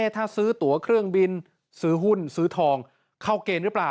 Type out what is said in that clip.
ถ้าซื้อตัวเครื่องบินซื้อหุ้นซื้อทองเข้าเกณฑ์หรือเปล่า